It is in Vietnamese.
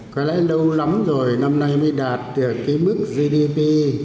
có lẽ lâu lắm rồi năm nay mới đạt được cái mức gdp